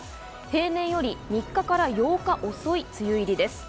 平年より３日から８日遅い梅雨入りです。